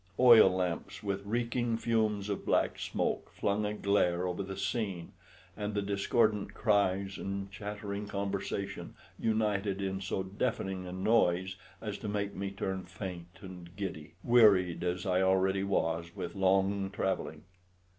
Oil lamps with reeking fumes of black smoke flung a glare over the scene, and the discordant cries and chattering conversation united in so deafening a noise as to make me turn faint and giddy, wearied as I already was with long travelling.